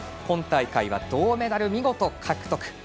今大会は銅メダルを見事、獲得。